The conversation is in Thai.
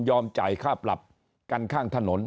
จ่ายค่าปรับกันข้างถนน